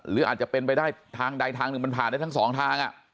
หรืออาจจะเป็นไปได้ทางใดทางหนึ่งมันผ่านได้ทั้งสองทาง